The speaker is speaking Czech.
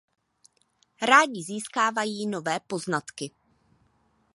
Rádi získávají nové poznatky.